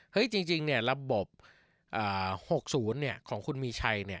เฮ้ยจริงเนี่ยระบบ๖๐เนี่ยของคุณมีชัยเนี่ย